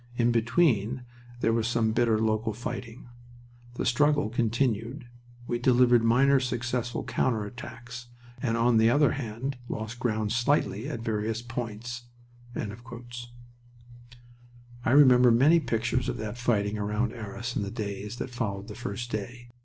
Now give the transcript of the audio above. In between there was some bitter local fighting. The struggle continued, we delivered minor successful counter attacks, and on the other hand lost ground slightly at various points." I remember many pictures of that fighting round Arras in the days that followed the first day.